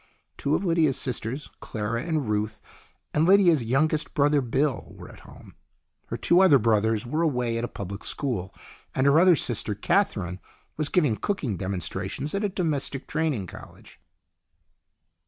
Two of Lydia's sisters, Clara and Ruth, and Lydia's youngest brother, Bill, were at home. Her 140 STORIES IN GREY two other brothers were away at a public school, and her other sister, Catherine, was giving cooking demonstrations at a domestic training college.